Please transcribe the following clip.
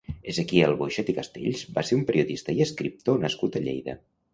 Ezequiel Boixet i Castells va ser un periodista i escriptor nascut a Lleida.